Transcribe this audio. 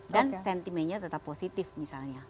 dan sentimennya tetap positif misalnya